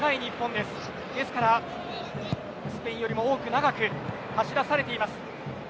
ですから、スペインよりも多く長く走らされています。